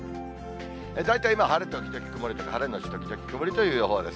大体晴れ時々曇りとか晴れ後時々曇りとかいう予報です。